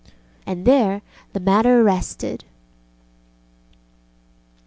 And there the matter rested.